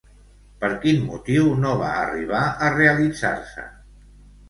Per quin motiu no va arribar a realitzar-se?